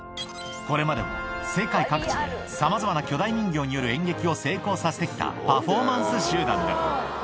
これまでも世界各地で、さまざまな巨大人形による演劇を成功させてきたパフォーマンス集団だ。